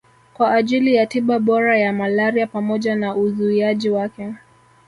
kwa ajili ya tiba bora ya malaria pamoja na uzuiaji wake